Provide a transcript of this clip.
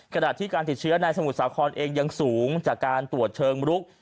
ขณะที่การติดเชื้อในสมุทรสาครเองยังสูงจากการตรวจเชิงรุก